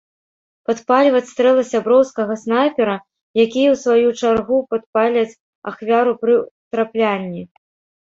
Падпальваць стрэлы сяброўскага снайпера, якія, у сваю чаргу, падпаляць ахвяру пры траплянні.